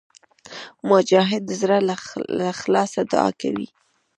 مجاهد د زړه له اخلاصه دعا کوي.